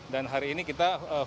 dan hari ini kita fasilitasi